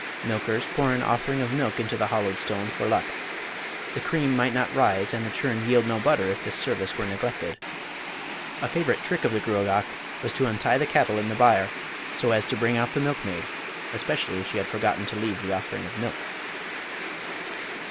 Milkers pour an offering of milk into the hollowed stone "for luck." The cream might not rise and the churn yield no butter if this service were neglected. A favourite trick of the Gruagach was to untie the cattle in the byre, so as to bring out the milkmaid, especially if she had forgotten to leave the offering of milk.